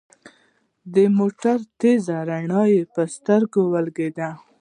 د موټر تېزه رڼا يې پر سترګو ولګېده.